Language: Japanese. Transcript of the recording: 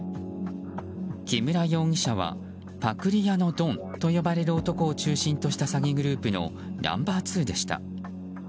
木村容疑者はパクリ屋のドンと呼ばれる男を中心とした詐欺グループのナンバー２でした。